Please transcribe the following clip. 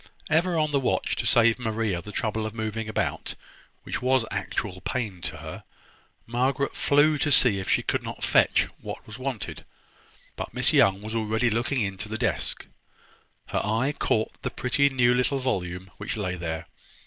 Ever on the watch to save Maria the trouble of moving about, which was actual pain to her, Margaret flew to see if she could not fetch what was wanted: but Miss Young was already looking into the desk. Her eye caught the pretty new little volume which lay there.